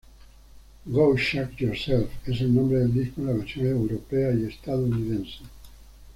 Go Chuck Yourself es el nombre del disco en la versión europea y estadounidense.